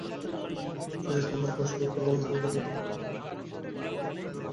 এই চিঠিটা আপনার প্রশ্নের উত্তর ভালভাবে দিতে পারবে।